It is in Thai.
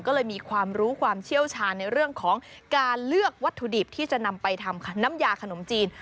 ก็เลยมีความรู้ความเชี่ยวชาญในเรื่องของการเลือกวัตถุดิบที่จะนำไปทำน้ำยาขนมจีน